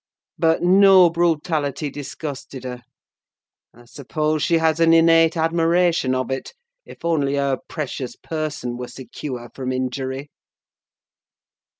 But no brutality disgusted her: I suppose she has an innate admiration of it, if only her precious person were secure from injury!